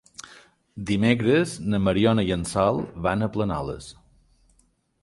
Dimecres na Mariona i en Sol van a Planoles.